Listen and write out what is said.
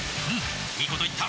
いいこと言った。